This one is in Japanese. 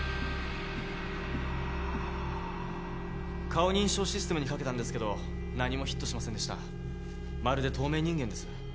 顔認証システムにかけたんですけど何もヒットしませんでしたまるで透明人間です